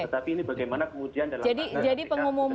tetapi ini bagaimana kemudian dalam